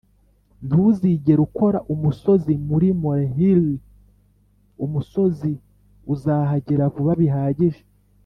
ntuzigere ukora umusozi muri molehill - umusozi uzahagera vuba bihagije